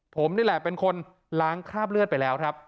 ผมนี่แหละเป็นคนล้างคราบเลือดไปแล้วครับ